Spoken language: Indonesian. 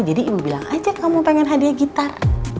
jadi ibu bilang aja kamu pengen hadiah gitar